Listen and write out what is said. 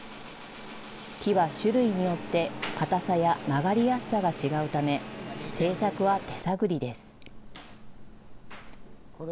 木は種類によって堅さや曲がりやすさが違うため、製作は手探りです。